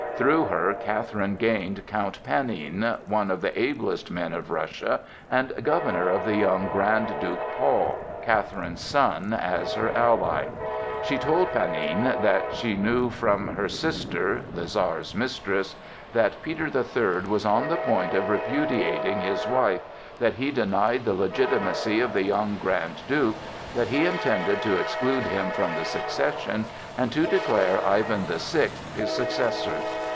Through her, Catherine gained Count Panin, one of the ablest men of Russia and governor of the young Grand Duke Paul, Catherine's son, as her ally. She told Panin that she knew from her sister (the Czar's mistress) that Peter the Third was on the point of repudiating his wife, that he denied the legitimacy of the young Grand Duke, that he intended to exclude him from the succession, and to declare Ivan the Sixth his successor.